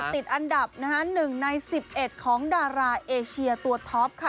ติดอันดับนะฮะ๑ใน๑๑ของดาราเอเชียตัวท็อปค่ะ